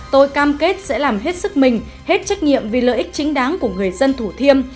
tôi cam kết sẽ làm hết sức mình hết trách nhiệm vì lợi ích chính đáng của người dân thủ thiêm